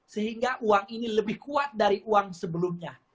sehingga uang ini lebih kuat dari uang sebelumnya